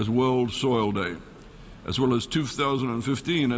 คุณพระเจ้า